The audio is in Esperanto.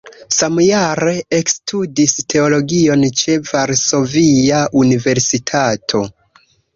Samjare ekstudis teologion ĉe Varsovia Universitato.